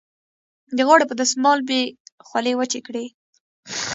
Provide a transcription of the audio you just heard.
د غاړې په دستمال مې خولې وچې کړې.